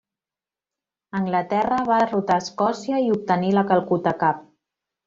Anglaterra va derrotar Escòcia i obtenir la Calcuta Cup.